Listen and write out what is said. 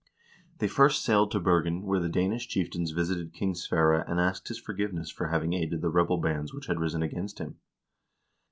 They first sailed to Bergen, where the Danish chieftains visited King Sverre and asked his forgiveness for having aided the rebel bands which had risen against him.